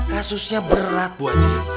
kasusnya berat bu aji